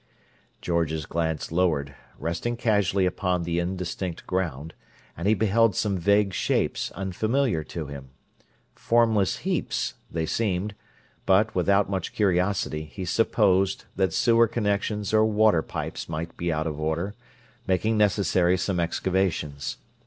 George's glance lowered, resting casually upon the indistinct ground, and he beheld some vague shapes, unfamiliar to him. Formless heaps, they seemed; but, without much curiosity, he supposed that sewer connections or water pipes might be out of order, making necessary some excavations.